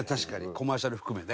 コマーシャル含めね。